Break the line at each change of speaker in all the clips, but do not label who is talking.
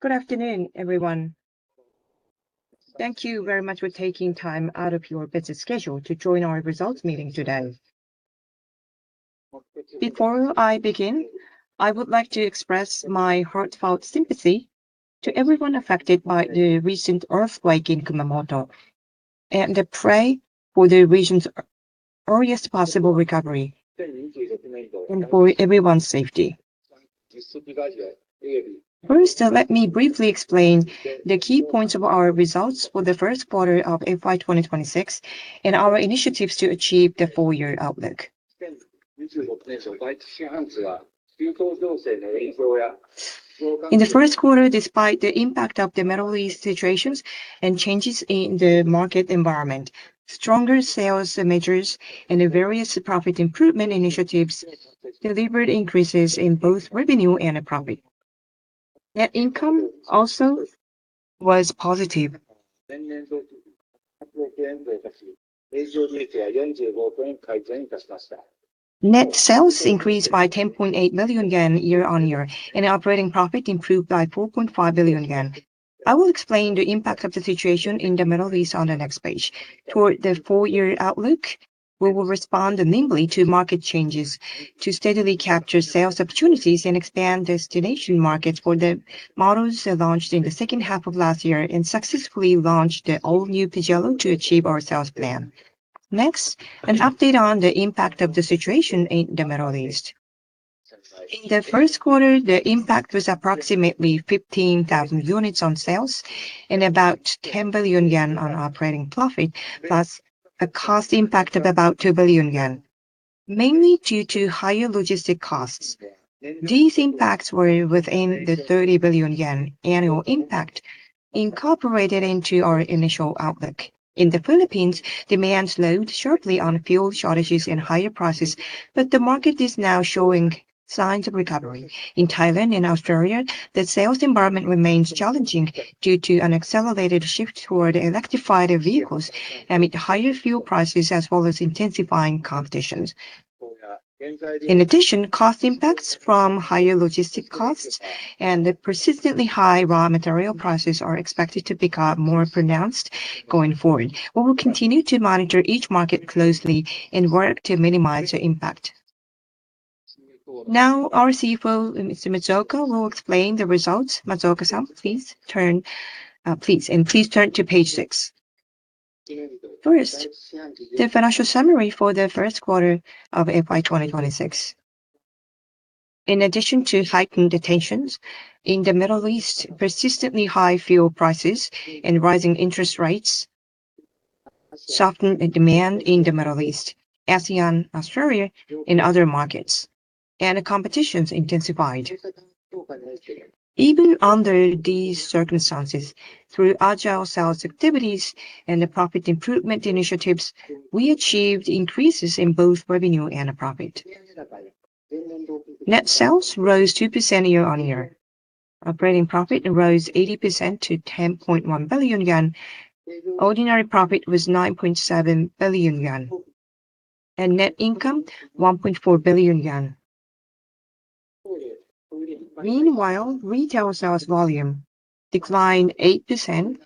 Good afternoon, everyone. Thank you very much for taking time out of your busy schedule to join our results meeting today. Before I begin, I would like to express my heartfelt sympathy to everyone affected by the recent earthquake in Kumamoto and pray for the region's earliest possible recovery, and for everyone's safety. First, let me briefly explain the key points of our results for the first quarter of FY 2026 and our initiatives to achieve the full year outlook. In the first quarter, despite the impact of the Middle East situations and changes in the market environment, stronger sales measures and various profit improvement initiatives delivered increases in both revenue and profit. Net income also was positive. Net sales increased by 10.8 million yen year on year, and operating profit improved by 4.5 billion yen. I will explain the impact of the situation in the Middle East on the next page. For the full year outlook, we will respond nimbly to market changes to steadily capture sales opportunities and expand destination markets for the models launched in the second half of last year and successfully launch the All-New Pajero to achieve our sales plan. Next, an update on the impact of the situation in the Middle East. In the first quarter, the impact was approximately 15,000 units on sales and about 10 billion yen on operating profit, plus a cost impact of about 2 billion yen, mainly due to higher logistic costs. These impacts were within the 30 billion yen annual impact incorporated into our initial outlook. In the Philippines, demand slowed shortly on fuel shortages and higher prices, but the market is now showing signs of recovery. In Thailand and Australia, the sales environment remains challenging due to an accelerated shift toward electrified vehicles amid higher fuel prices as well as intensifying competitions. In addition, cost impacts from higher logistic costs and the persistently high raw material prices are expected to become more pronounced going forward. We will continue to monitor each market closely and work to minimize the impact. Now, our CFO, Mr. Matsuoka, will explain the results. Matsuoka-san, please. Please turn to page six. First, the financial summary for the first quarter of FY 2026. In addition to heightened tensions in the Middle East, persistently high fuel prices and rising interest rates softened the demand in the Middle East, ASEAN, Australia, and other markets, and competition's intensified. Even under these circumstances, through agile sales activities and the profit improvement initiatives, we achieved increases in both revenue and profit.
Net sales rose 2% year-on-year. Operating profit rose 80% to 10.1 billion yen. Ordinary profit was 9.7 billion yen, and net income 1.4 billion yen. Meanwhile, retail sales volume declined 8%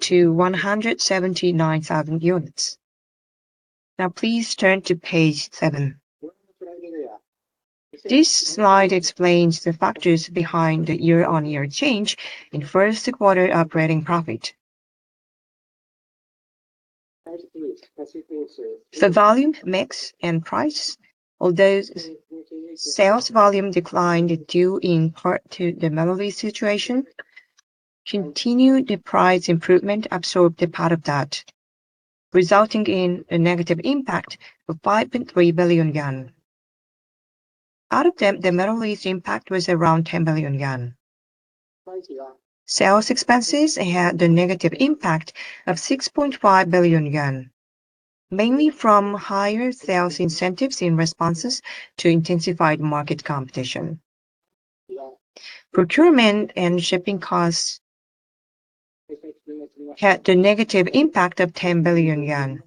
to 179,000 units. Please turn to page seven. This slide explains the factors behind the year-on-year change in first quarter operating profit. For volume mix and price, although sales volume declined due in part to the Middle East situation, continued price improvement absorbed a part of that, resulting in a negative impact of 5.3 billion yen. Out of them, the Middle East impact was around 10 billion yen. Sales expenses had a negative impact of 6.5 billion yen, mainly from higher sales incentives in responses to intensified market competition. Procurement and shipping costs had a negative impact of 10 billion yen.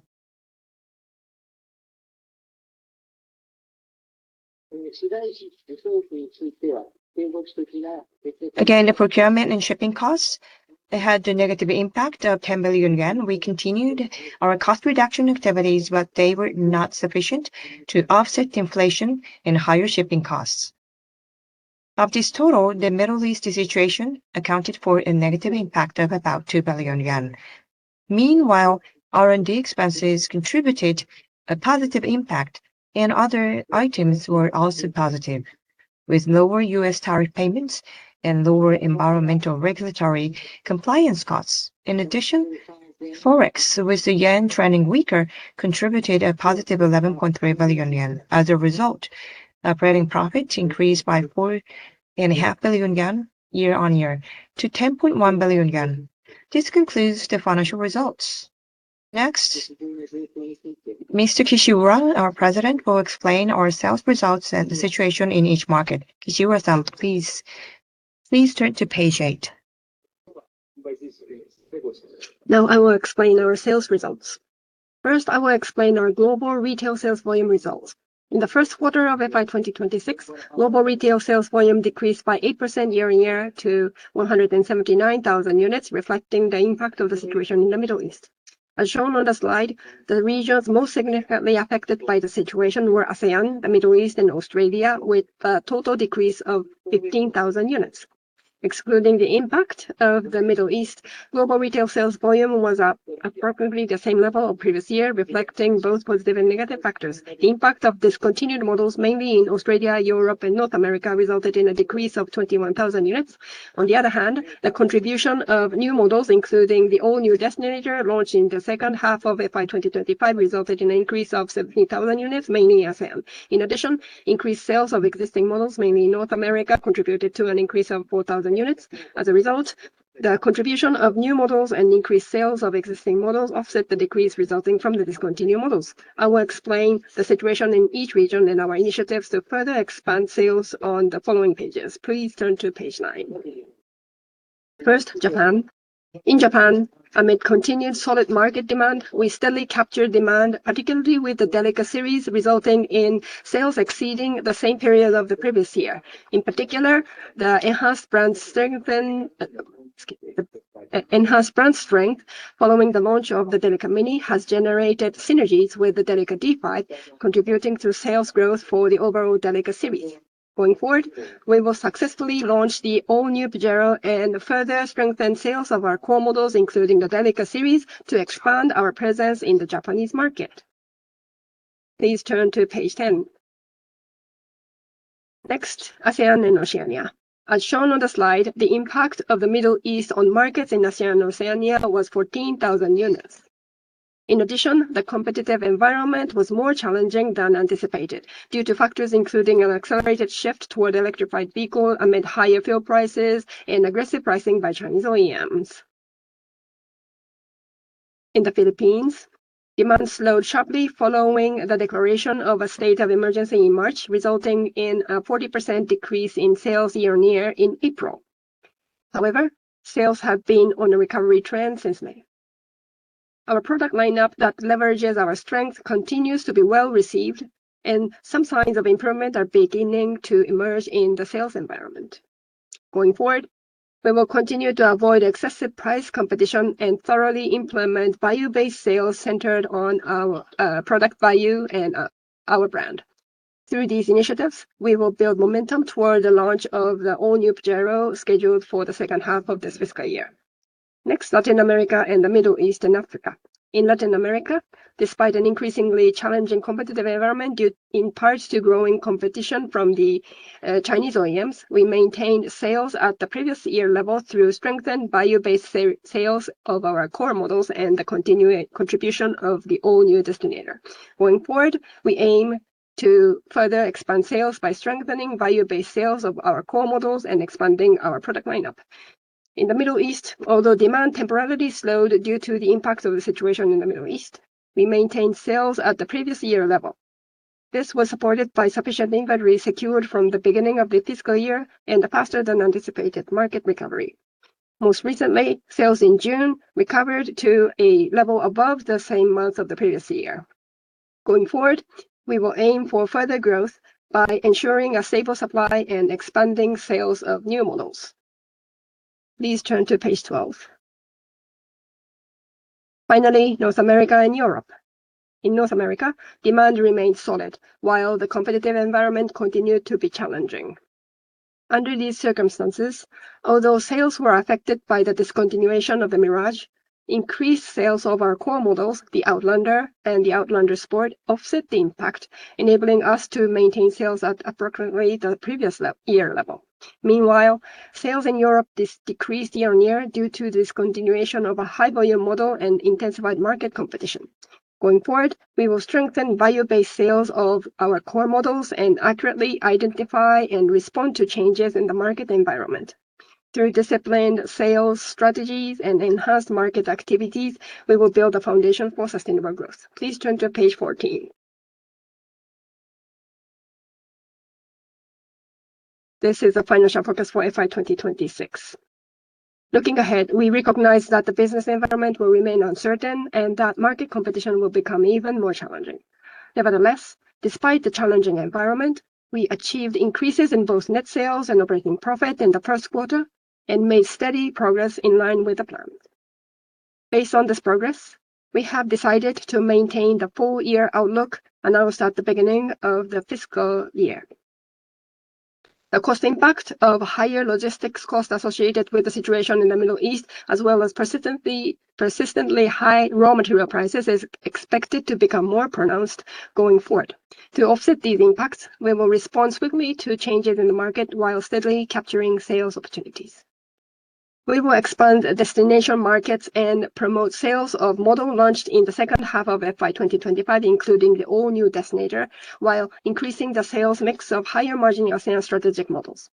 Again, the procurement and shipping costs, they had a negative impact of 10 billion yen. We continued our cost reduction activities, but they were not sufficient to offset inflation and higher shipping costs. Of this total, the Middle East situation accounted for a negative impact of about 2 billion yen. Meanwhile, R&D expenses contributed a positive impact, and other items were also positive, with lower U.S. tariff payments and lower environmental regulatory compliance costs. In addition, forex, with the yen trending weaker, contributed a positive 11.3 billion yen. As a result, operating profit increased by 4.5 billion yen year-over-year to 10.1 billion yen. This concludes the financial results. Next, Mr. Kishiura, our President, will explain our sales results and the situation in each market. Kishiura-san, please. Please turn to page eight.
Now I will explain our sales results. First, I will explain our global retail sales volume results. In the first quarter of FY 2026, global retail sales volume decreased by 8% year-over-year to 179,000 units, reflecting the impact of the situation in the Middle East. As shown on the slide, the regions most significantly affected by the situation were ASEAN, the Middle East, and Australia, with a total decrease of 15,000 units. Excluding the impact of the Middle East, global retail sales volume was up, approximately the same level of previous year, reflecting both positive and negative factors. The impact of discontinued models, mainly in Australia, Europe, and North America, resulted in a decrease of 21,000 units. On the other hand, the contribution of new models, including the all-new Pajero launched in the second half of FY 2025, resulted in an increase of 17,000 units, mainly ASEAN. In addition, increased sales of existing models, mainly in North America, contributed to an increase of 4,000 units. As a result, the contribution of new models and increased sales of existing models offset the decrease resulting from the discontinued models. I will explain the situation in each region and our initiatives to further expand sales on the following pages. Please turn to page nine. First, Japan. In Japan, amid continued solid market demand, we steadily captured demand, particularly with the Delica series, resulting in sales exceeding the same period of the previous year. In particular, the enhanced brand strength following the launch of the Delica Mini has generated synergies with the Delica D:5, contributing to sales growth for the overall Delica series. Going forward, we will successfully launch the all-new Pajero and further strengthen sales of our core models, including the Delica series, to expand our presence in the Japanese market. Please turn to page 10. Next, ASEAN and Oceania. As shown on the slide, the impact of the Middle East on markets in ASEAN and Oceania was 14,000 units. In addition, the competitive environment was more challenging than anticipated due to factors including an accelerated shift toward electrified vehicles amid higher fuel prices and aggressive pricing by Chinese OEMs. In the Philippines, demand slowed sharply following the declaration of a state of emergency in March, resulting in a 40% decrease in sales year-over-year in April. However, sales have been on a recovery trend since May. Our product lineup that leverages our strength continues to be well-received, and some signs of improvement are beginning to emerge in the sales environment. Going forward, we will continue to avoid excessive price competition and thoroughly implement value-based sales centered on our product value and our brand. Through these initiatives, we will build momentum toward the launch of the all-new Pajero, scheduled for the second half of this fiscal year. Next, Latin America and the Middle East and Africa. In Latin America, despite an increasingly challenging competitive environment due in part to growing competition from the Chinese OEMs, we maintained sales at the previous year level through strengthened value-based sales of our core models and the continued contribution of the all-new Destinator. Going forward, we aim to further expand sales by strengthening value-based sales of our core models and expanding our product lineup. In the Middle East, although demand temporarily slowed due to the impact of the situation in the Middle East, we maintained sales at the previous year level. This was supported by sufficient inventory secured from the beginning of the fiscal year and a faster-than-anticipated market recovery. Most recently, sales in June recovered to a level above the same month of the previous year. Going forward, we will aim for further growth by ensuring a stable supply and expanding sales of new models. Please turn to page 12. Finally, North America and Europe. In North America, demand remained solid while the competitive environment continued to be challenging. Under these circumstances, although sales were affected by the discontinuation of the Mirage, increased sales of our core models, the Outlander and the Outlander Sport, offset the impact, enabling us to maintain sales at approximately the previous year level. Meanwhile, sales in Europe decreased year-on-year due to discontinuation of a high-volume model and intensified market competition. Going forward, we will strengthen value-based sales of our core models and accurately identify and respond to changes in the market environment. Through disciplined sales strategies and enhanced market activities, we will build a foundation for sustainable growth. Please turn to page 14. This is the financial forecast for FY 2026. Looking ahead, we recognize that the business environment will remain uncertain and that market competition will become even more challenging. Nevertheless, despite the challenging environment, we achieved increases in both net sales and operating profit in the first quarter and made steady progress in line with the plan. Based on this progress, we have decided to maintain the full-year outlook announced at the beginning of the fiscal year. The cost impact of higher logistics costs associated with the situation in the Middle East, as well as persistently high raw material prices, is expected to become more pronounced going forward. To offset these impacts, we will respond swiftly to changes in the market while steadily capturing sales opportunities. We will expand destination markets and promote sales of models launched in the second half of FY 2025, including the all-new Destinator, while increasing the sales mix of higher-margin ASEAN strategic models.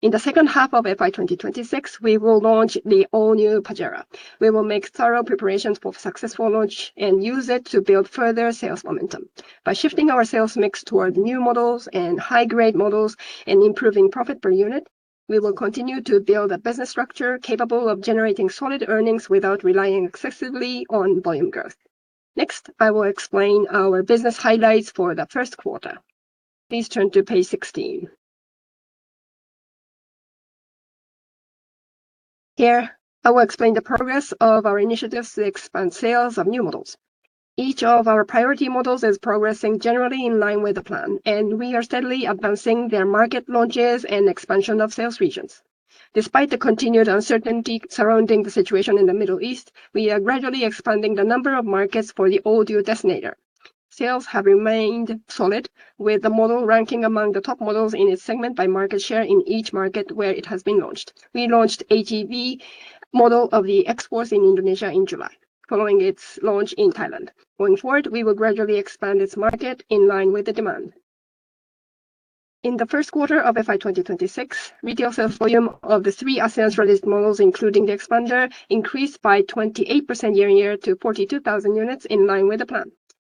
In the second half of FY 2026, we will launch the all-new Pajero. We will make thorough preparations for successful launch and use it to build further sales momentum. By shifting our sales mix toward new models and high-grade models and improving profit per unit, we will continue to build a business structure capable of generating solid earnings without relying excessively on volume growth. Next, I will explain our business highlights for the first quarter. Please turn to page 16. Here, I will explain the progress of our initiatives to expand sales of new models. Each of our priority models is progressing generally in line with the plan, and we are steadily advancing their market launches and expansion of sales regions. Despite the continued uncertainty surrounding the situation in the Middle East, we are gradually expanding the number of markets for the All-New Triton. Sales have remained solid with the model ranking among the top models in its segment by market share in each market where it has been launched. We launched HEV model of the Xpander in Indonesia in July, following its launch in Thailand. Going forward, we will gradually expand its market in line with the demand. In the first quarter of FY 2026, retail sales volume of the three ASEAN-released models, including the Xpander, increased by 28% year-on-year to 42,000 units in line with the plan.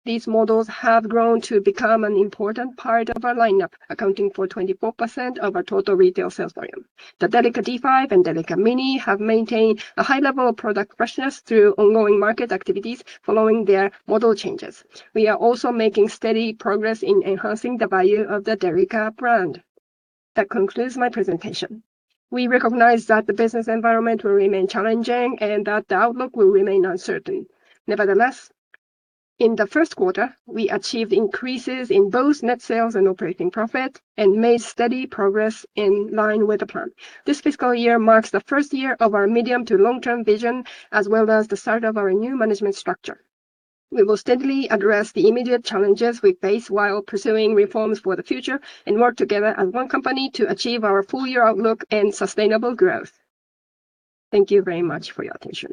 These models have grown to become an important part of our lineup, accounting for 24% of our total retail sales volume. The Delica D:5 and Delica Mini have maintained a high level of product freshness through ongoing market activities following their model changes. We are also making steady progress in enhancing the value of the Delica brand. That concludes my presentation. We recognize that the business environment will remain challenging and that the outlook will remain uncertain. Nevertheless, in the first quarter, we achieved increases in both net sales and operating profit and made steady progress in line with the plan. This fiscal year marks the first year of our medium to long-term vision, as well as the start of our new management structure. We will steadily address the immediate challenges we face while pursuing reforms for the future and work together as one company to achieve our full-year outlook and sustainable growth. Thank you very much for your attention.